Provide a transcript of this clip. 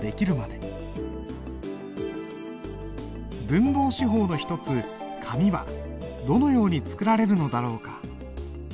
「文房四宝」の一つ紙はどのように作られるのだろうか？